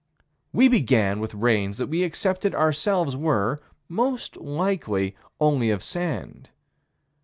We began with rains that we accepted ourselves were, most likely, only of sand.